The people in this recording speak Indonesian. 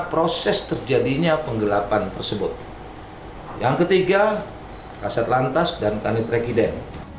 proses terjadinya penggelapan tersebut yang ketiga kaset lantas dan kanit regiden